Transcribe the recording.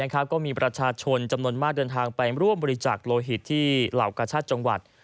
ก็มีประชาชนจำนวนมากเดินทางไปร่วมบริจาคโลหิตที่เหล่ากาชาติจังหวัด